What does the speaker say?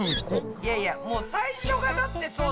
いやいやもう最初がだってそうだったじゃん。